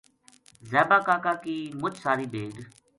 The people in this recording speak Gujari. زیبا کا کا کی مُچ ساری بھیڈ